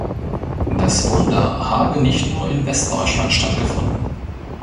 Das „Wunder“ habe nicht nur in Westdeutschland stattgefunden.